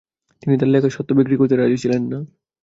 তিনি তাঁর লেখার স্বত্ত্ব বিক্রি করতে রাজি ছিলেন না।